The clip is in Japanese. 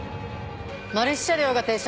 マルヒ車両が停車。